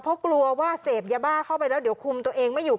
เพราะกลัวว่าเสพยาบ้าเข้าไปแล้วเดี๋ยวคุมตัวเองไม่อยู่